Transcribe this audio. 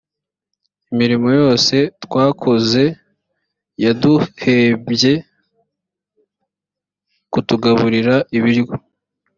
imirimo yose twakoze yaduhebye kutugaburira ibiryo